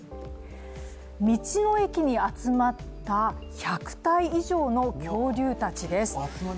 道の駅に集まった１００体以上の恐竜たちです。